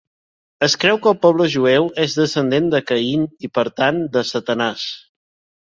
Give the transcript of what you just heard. Es creu que el poble jueu és descendent de Caín i, per tant, de Satanàs.